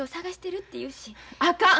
あかん。